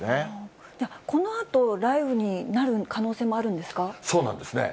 このあと、雷雨になる可能性そうなんですね。